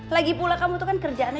lagi pula kamu tuh kan kerjaannya